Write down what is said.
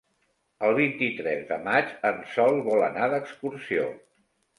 El vint-i-tres de maig en Sol vol anar d'excursió.